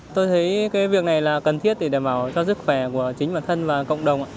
tôi thấy cái việc này là cần thiết để đảm bảo cho sức khỏe của chính bản thân và cộng đồng ạ